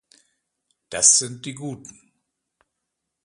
Das sind die Guten.